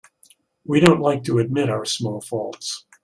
We don't like to admit our small faults.